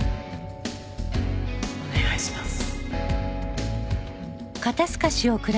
お願いします。